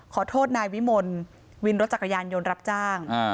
ขอโทษนายวิมลวินรถจักรยานยนต์รับจ้าง